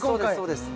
そうです